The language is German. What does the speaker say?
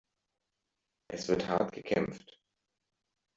Es wird hart gekämpft.